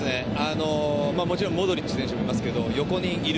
もちろんモドリッチ選手もいますけど横にいる。